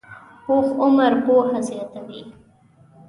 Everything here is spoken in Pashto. پوخ عمر پوهه زیاته وي